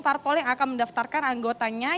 parpol yang akan mendaftarkan anggotanya